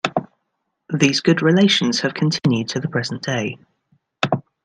These good relations have continued to the present day.